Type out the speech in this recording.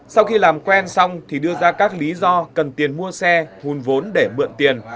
sau khi làm quen xong thì đưa ra các lý do cần tiền mua xe hùn vốn để mượn tiền